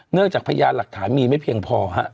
เนื่องจากพญาติหลักฐานมีไม่เพียงพอ